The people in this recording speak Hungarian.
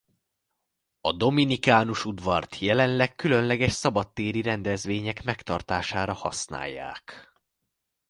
A Dominikánus udvart jelenleg különleges szabadtéri rendezvények megtartására használják.